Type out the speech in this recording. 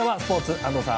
安藤さん。